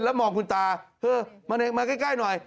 แล้วมองคุณตามาใกล้หน่อย